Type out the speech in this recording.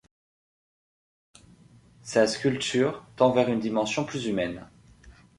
Sa sculpture tend vers une dimension plus humaine.